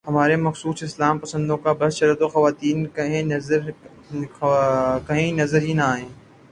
ہمارے مخصوص اسلام پسندوں کا بس چلے تو خواتین کہیں نظر ہی نہ آئیں۔